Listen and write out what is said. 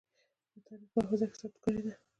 د تاريخ په حافظه کې ثبت کړې ده.